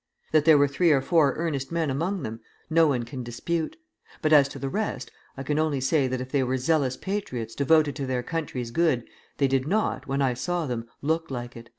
That there were three or four earnest men among them, no one can dispute; but as to the rest, I can only say that if they were zealous patriots devoted to their country's good, they did not, when I saw them, look like it."